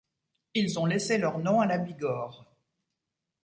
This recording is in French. Ils ont laissé leur nom à la Bigorre.